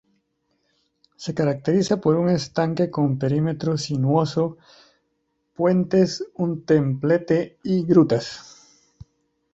Se caracterizan por un estanque con perímetro sinuoso, puentes, un templete y grutas.